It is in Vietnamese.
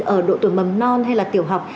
ở độ tuổi mầm non hay là tiểu học